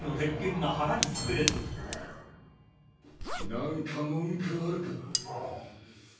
何か文句あるか。